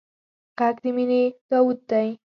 غږ د مینې داوود دی